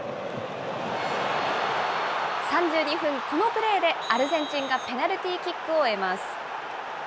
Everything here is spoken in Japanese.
３２分、このプレーでアルゼンチンがペナルティーキックを得ます。